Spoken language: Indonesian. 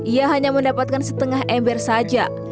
ia hanya mendapatkan setengah ember saja